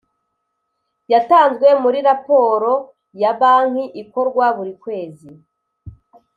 Yatanzwe muri raporo ya banki ikorwa buri kwezi